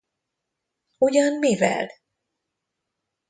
Ugyan mivel?